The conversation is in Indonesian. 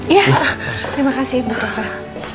iya terima kasih bapak sarah